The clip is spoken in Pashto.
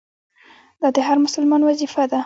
دا د هر مسلمان وظیفه ده.